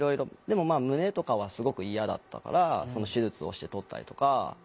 でもまあ胸とかはすごく嫌だったから手術をして取ったりとか。